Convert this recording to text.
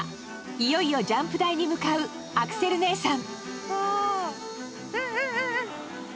いよいよジャンプ台に向かうアクセル姉さん。